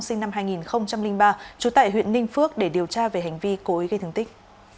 sinh năm hai nghìn ba trú tại huyện ninh phước để điều tra về hành vi cố ý gây thương tích